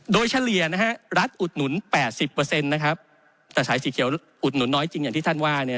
โดยเฉลี่ยรัฐอุดหนุน๘๐แต่สายสีเขียวอุดหนุนน้อยจริงอย่างที่ท่านว่า